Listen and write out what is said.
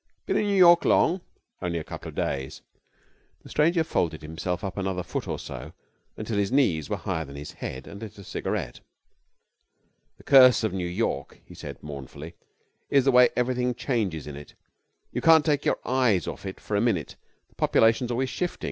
'Been in New York long?' 'Only a couple of days.' The stranger folded himself up another foot or so until his knees were higher than his head, and lit a cigarette. 'The curse of New York,' he said, mournfully, 'is the way everything changes in it. You can't take your eyes off it for a minute. The population's always shifting.